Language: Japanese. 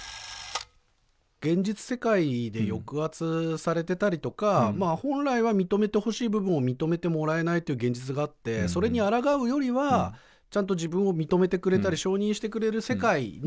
現実世界で抑圧されてたりとか本来は認めてほしい部分を認めてもらえないっていう現実があってそれにあらがうよりはちゃんと自分を認めてくれたり承認してくれる世界のほうに行くという。